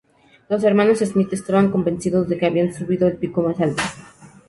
Los hermanos Smith estaban convencidos de que habían subido el pico más alto.